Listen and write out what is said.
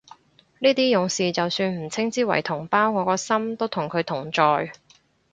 呢啲勇士就算唔稱之為同胞，我個心都同佢同在